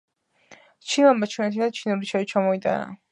ჩინელმა ჩინეთიდან ჩინური ჩაი ჩამოიტანა